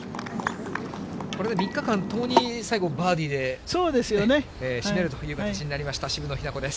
これで３日間、ともに最後バーディーで締めるという形になりました、渋野日向子です。